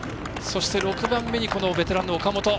そして６番目にベテランの岡本。